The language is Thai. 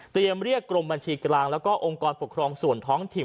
เรียกกรมบัญชีกลางแล้วก็องค์กรปกครองส่วนท้องถิ่น